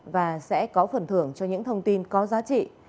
và sẽ có phần thưởng cho những thông tin có giá trị